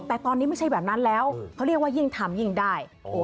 แต่ตอนนี้ไม่ใช่แบบนั้นแล้วเขาเรียกว่ายิ่งทำยิ่งได้